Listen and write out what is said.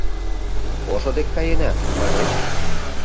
Ошо дек каена, маньыч?